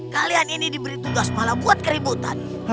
kalian ini diberi tugas malah buat keributan